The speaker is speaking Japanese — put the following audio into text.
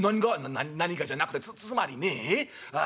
「『何が？』じゃなくてつまりねえあ